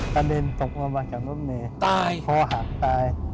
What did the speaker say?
ประเด็นตกมากับรถเมย์ตายโคหักตาย